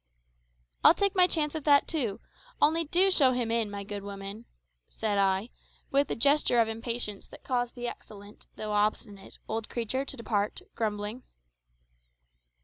"I'll take my chance of that too; only do show him in, my good woman," said I, with a gesture of impatience that caused the excellent (though obstinate) old creature to depart, grumbling.